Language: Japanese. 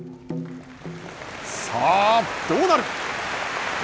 さあ、どうなる！？